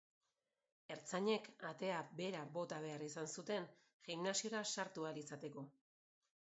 Ertzainek atea behera bota behar izan zuten gimnasiora sartu ahal izateko.